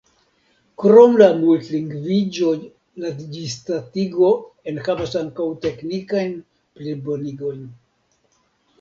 Krom la multlingviĝo la ĝisdatigo enhavas ankaŭ teknikajn plibonigojn.